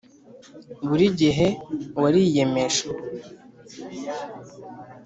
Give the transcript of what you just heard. buri gihe wariyemeje